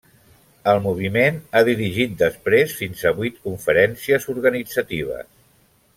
El moviment ha dirigit després fins a vuit conferències organitzatives.